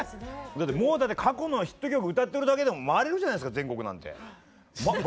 もうだって過去のヒット曲歌ってるだけでも回れるじゃないですか全国なんて。